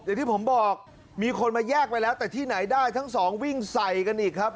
อย่างที่ผมบอกมีคนมาแยกไปแล้วแต่ที่ไหนได้ทั้งสองวิ่งใส่กันอีกครับ